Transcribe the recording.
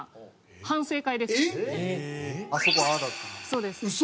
そうです。